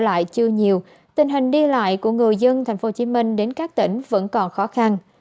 lại chưa nhiều tình hình đi lại của người dân thành phố hồ chí minh đến các tỉnh vẫn còn khó khăn